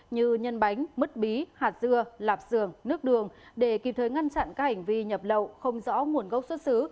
như nhân bánh mứt bí hạt dưa lạp sườn nước đường để kịp thời ngăn chặn các hành vi nhập lậu không rõ nguồn gốc xuất xứ